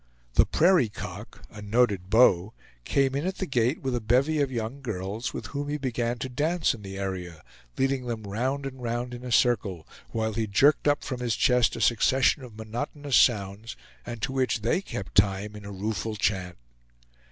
The Prairie Cock, a noted beau, came in at the gate with a bevy of young girls, with whom he began to dance in the area, leading them round and round in a circle, while he jerked up from his chest a succession of monotonous sounds, to which they kept time in a rueful chant.